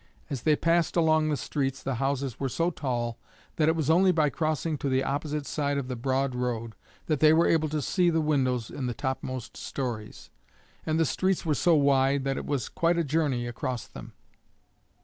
As they passed along the streets the houses were so tall that it was only by crossing to the opposite side of the broad road that they were able to see the windows in the topmost stories. And the streets were so wide that it was quite a journey across them.